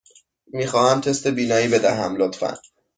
می خواهم تست بینایی بدهم، لطفاً.